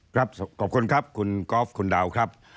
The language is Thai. ครับขอบคุณครับคุณกอล์ฟคุณดาวครับ